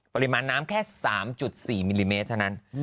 ปริมาณน้ำแค่๓๔มิลลิเมตรเท่านั้น